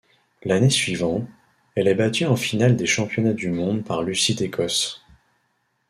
L'année suivante, elle est battue en finale des championnats du monde par Lucie Décosse.